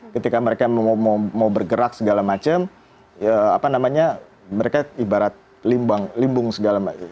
ketika mereka mau bergerak segala macam mereka ibarat limbung segala macam